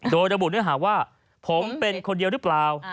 โดยระบุเนื้อหาว่าผมเป็นคนเดียวหรือเปล่า